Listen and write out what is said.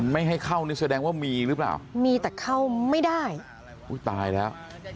ไม่ให้เข้านี่แสดงว่ามีหรือเปล่ามีแต่เข้าไม่ได้อุ้ยตายแล้ว